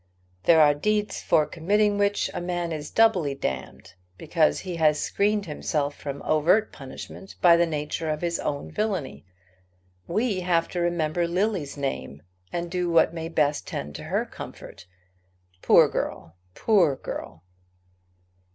There are deeds for committing which a man is doubly damned, because he has screened himself from overt punishment by the nature of his own villany. We have to remember Lily's name, and do what may best tend to her comfort. Poor girl! poor girl!"